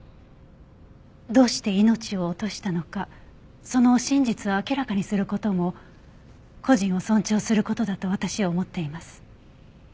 どうして命を落としたのかその真実を明らかにする事も故人を尊重する事だと私は思っています。